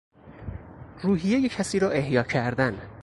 روحیهی کسی را احیا کردن